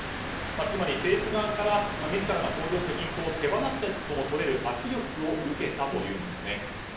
つまり政府側から自らが創業した銀行を手放すとも取れる圧力を受けたというんですね。